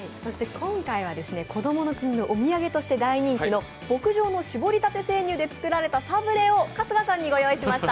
今回はこどもの国のお土産として大人気の牧場の搾りたて生乳で作られたサブレを春日さんにご用意しました。